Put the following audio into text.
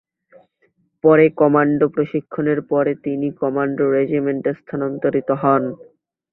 পরে কমান্ডো প্রশিক্ষণের পরে তিনি কমান্ডো রেজিমেন্টে স্থানান্তরিত হন।